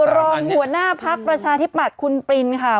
รองหัวหน้าพักประชาธิปัตย์คุณปรินค่ะ